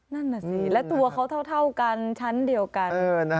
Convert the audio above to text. นั่นน่ะสิและตัวเขาเท่ากันชั้นเดียวกัน